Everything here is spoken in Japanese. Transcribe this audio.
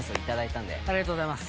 ありがとうございます。